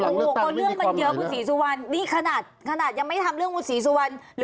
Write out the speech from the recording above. โอ้โหก็เรื่องมันเยอะคุณศรีสุวรรณนี่ขนาดขนาดยังไม่ทำเรื่องคุณศรีสุวรรณ